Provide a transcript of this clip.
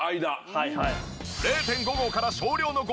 はいはい。